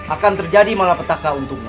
akan terjadi malapetaka untuknya